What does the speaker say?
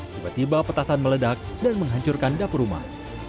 tiba tiba petasan meledak dan menghancurkan dapur rumah